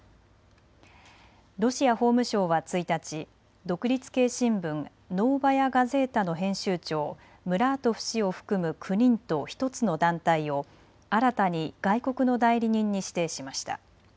ロシア法務省は１日、独立系新聞ノーバヤ・ガゼータの編集長、ムラートフ氏を含む９人と１つの団体を新たに外国の代理人に指定しました。